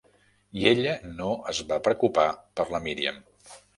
I ella no es va preocupar per la Miriam.